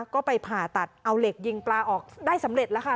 ก็ไปผ่าตัดเอาเหล็กยิงปลาออกได้สำเร็จแล้วค่ะ